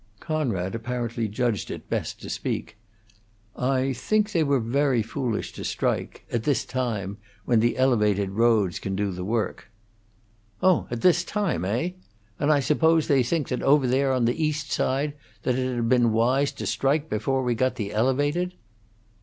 Conrad apparently judged it best to speak. "I think they were very foolish to strike at this time, when the Elevated roads can do the work." "Oh, at this time, heigh! And I suppose they think over there on the East Side that it 'd been wise to strike before we got the Elevated."